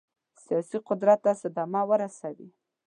سیاسي قدرت ته صدمه ورسوي.